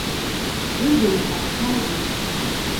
Выйдзе на хату к маладзейшым.